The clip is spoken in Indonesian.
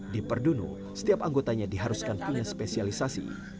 di perdunu setiap anggotanya diharuskan punya spesialisasi